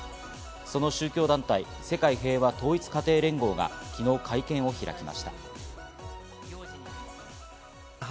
その宗教団体・世界平和統一家庭連合が昨日会見を開きました。